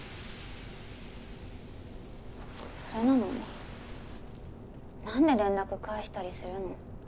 それなのに何で連絡返したりするの？